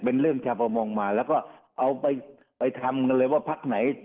เป็นเรื่องชาวประมงมาแล้วก็เอาไปทำกันเลยว่าพักไหน